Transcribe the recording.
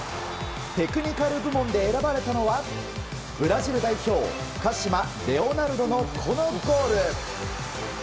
テクニカル部門で選ばれたのはブラジル代表鹿島、レオナルドのこのゴール。